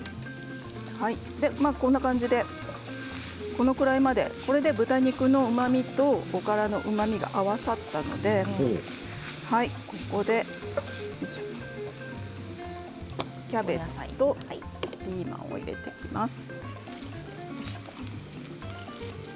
こんな感じでこれで豚肉のうまみとおからのうまみが合わさったのでここでキャベツとピーマンを入れていきます。